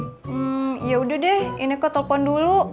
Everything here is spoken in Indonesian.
hmm yaudah deh ineke telpon dulu